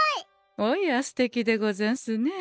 おやすてきでござんすね。